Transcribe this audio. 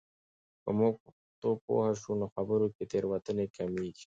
که موږ په پښتو پوه شو، نو خبرو کې تېروتنې کمېږي.